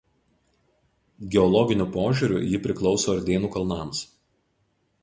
Geologiniu požiūriu ji priklauso Ardėnų kalnams.